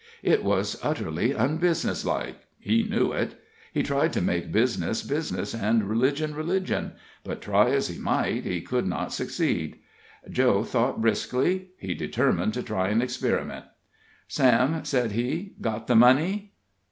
It was utterly unbusiness like he knew it he tried to make business business, and religion religion, but, try as he might, he could not succeed. Joe thought briskly; he determined to try an experiment. "Sam," said he, "got the money?"